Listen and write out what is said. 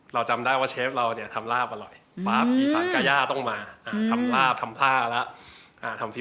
เราจำได้ว่าเชฟเราเนี้ยทำราบอร่อย